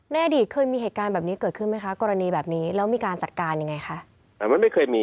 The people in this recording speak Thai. ในอดีตเกิดขึ้นไหมคะกรณีแบบนี้แล้วมีการจัดการยังไงคะ